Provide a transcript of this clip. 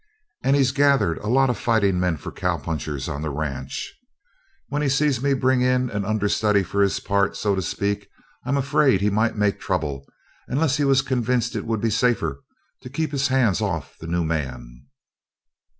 And he's gathered a lot of fighting men for cowpunchers on the ranch. When he sees me bring in an understudy for his part, so to speak, I'm afraid he might make trouble unless he was convinced it would be safer to keep his hands off the new man."